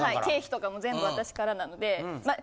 経費とかも全部私からなので。